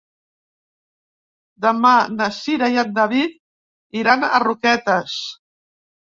Demà na Cira i en David iran a Roquetes.